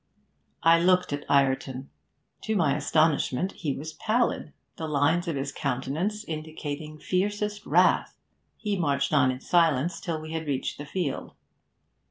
I looked at Ireton. To my astonishment he was pallid, the lines of his countenance indicating fiercest wrath. He marched on in silence till we had reached the field.